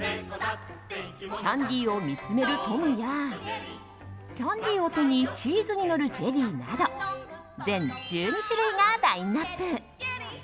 キャンディーを見つめるトムやキャンディーを手にチーズに乗るジェリーなど全１２種類がラインアップ。